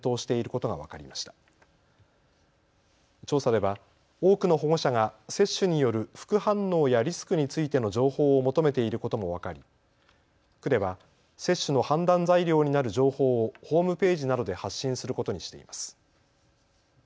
調査では多くの保護者が接種による副反応やリスクについての情報を求めていることも分かり区では接種の判断材料になる情報をホームページなどで発信することにしています。